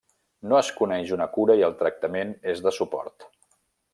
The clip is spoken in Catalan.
No es coneix una cura i el tractament és de suport.